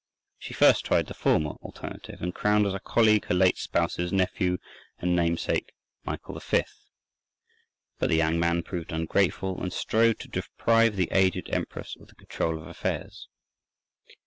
She first tried the former alternative, and crowned as her colleague her late spouse's nephew and namesake Michael V. But the young man proved ungrateful, and strove to deprive the aged empress of the control of affairs.